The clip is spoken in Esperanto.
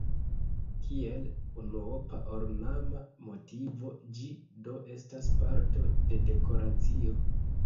Kiel unuopa ornama motivo ĝi do estas parto de dekoracio.